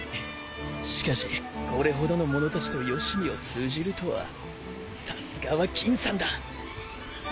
しかしこれほどの者たちとよしみを通じるとはさすがは錦さんだ。